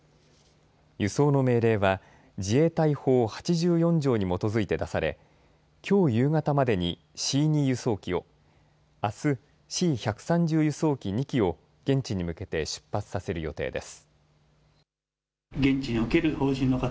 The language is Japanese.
輸送の命令は自衛隊法８４条に基づいて出されきょう夕方までにＣ２輸送機を、あす、Ｃ１３０輸送機２機を現地に向けて出発させる予定です。